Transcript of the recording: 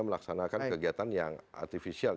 melaksanakan kegiatan yang artifisial